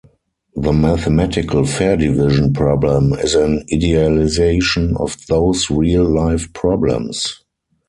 The mathematical fair division problem is an idealization of those real life problems.